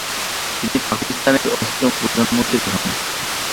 তিনি পাকিস্তানের অষ্টম প্রধানমন্ত্রী হন।